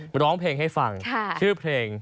มาร้องเพลงให้ฟังชื่อเพลง